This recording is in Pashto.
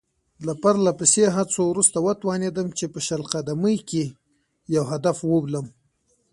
له پرله پسې هڅو وروسته وتوانېدم چې په شل قدمۍ کې یو هدف وولم.